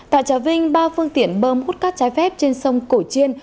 tại trà vinh ba phương tiện bơm hút cát trái phép trên sông cổ chiên